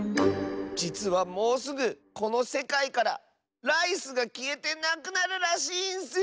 じつはもうすぐこのせかいからライスがきえてなくなるらしいんッスよ！